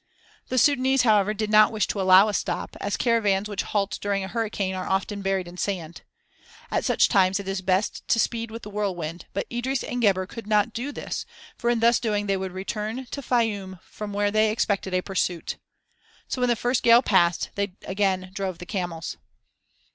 The Sudânese, however, did not wish to allow a stop, as caravans which halt during a hurricane are often buried in sand. At such times it is best to speed with the whirlwind, but Idris and Gebhr could not do this, for in thus doing they would return to Fayûm from where they expected a pursuit. So when the first gale passed they again drove the camels.